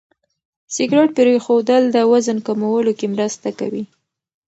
سګرېټ پرېښودل د وزن کمولو کې مرسته کوي.